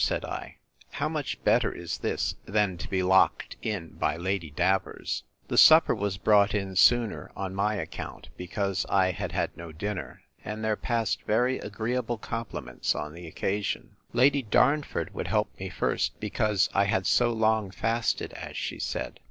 said I, how much better is this, than to be locked in by Lady Davers! The supper was brought in sooner on my account, because I had had no dinner; and there passed very agreeable compliments on the occasion. Lady Darnford would help me first, because I had so long fasted, as she said.